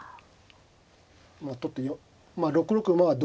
まあ取って６六馬は同竜